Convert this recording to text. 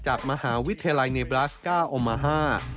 จากมหาวิทยาลัยเนบราสก้าโอมาฮา